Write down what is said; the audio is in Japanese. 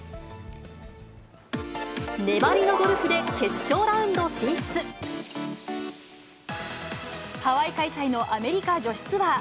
粘りのゴルフで決勝ラウンドハワイ開催のアメリカ女子ツアー。